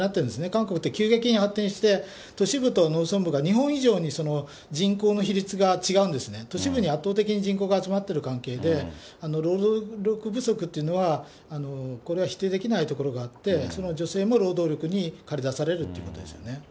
韓国って急激に発展して、都市部と農村部が日本以上に人口の比率が違うんですね、都市部に圧倒的に人口が集まってる関係で、労働力不足というのは、これは否定できないところがあって、その女性も労働力に駆り出されるということですよね。